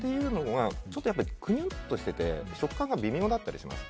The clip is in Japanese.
ちょっと、ぷにっとしていて食感が微妙だったりします。